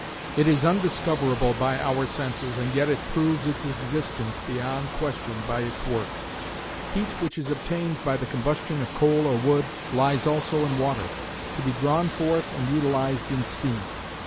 It is undiscoverable by our senses and yet it proves its existence beyond question by its work. Heat which is obtained by the combustion of coal or wood, lies also in water, to be drawn forth and utilised in steam.